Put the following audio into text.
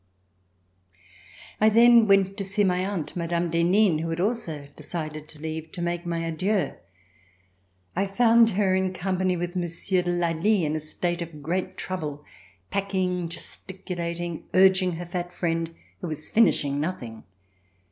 I then went to see my aunt, Madame d'Henin, who had also decided to leave, to make my adieux. I found her in company with Monsieur de Lally in a state of great trouble, packing, gesticulating, urging her fat friend who was finishing nothing.